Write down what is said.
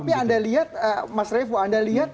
tapi anda lihat mas revo anda lihat